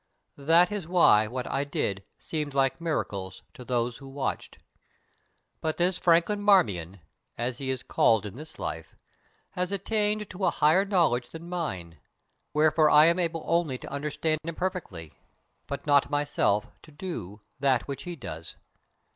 That is why what I did seemed like miracles to those who watched. But this Franklin Marmion, as he is called in this life, has attained to a higher knowledge than mine, wherefore I am able only to understand imperfectly, but not myself to do, that which he does.